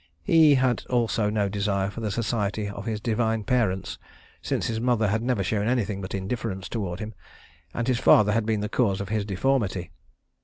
He had also no desire for the society of his divine parents, since his mother had never shown anything but indifference toward him, and his father had been the cause of his deformity.